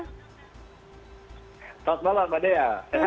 selamat malam mbak dea